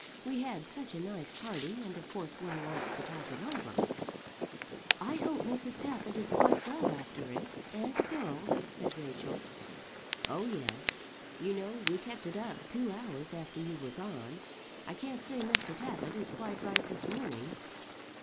We had such a nice party, and of course one wants to talk it over." "I hope Mrs. Tappitt is quite well after it, and the girls," said Rachel. "Oh, yes. You know we kept it up two hours after you were gone. I can't say Mr. Tappitt is quite right this morning."